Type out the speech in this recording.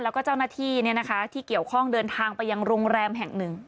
แล้วก็เจ้าหน้าที่ที่เกี่ยวข้องเดินทางไปยังโรงแรมแห่งหนึ่ง